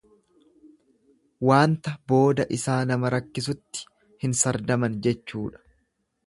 Waanta booda isaa nama rakkisutti hin sardaman jechuudha.